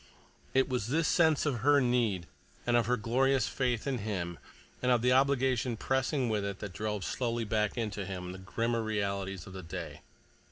It was this sense of her need and of her glorious faith in him, and of the obligation pressing with it that drove slowly back into him the grimmer realities of the day.